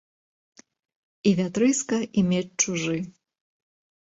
І вятрыска, і меч чужы.